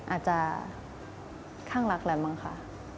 อาจจะข้างรักแล้วมั้งค่ะ